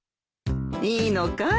いいのかい？